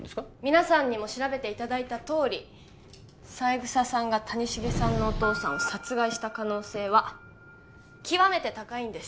皆さんに調べていただいたとおり三枝さんが谷繁さんのお父さんを殺害した可能性は極めて高いんです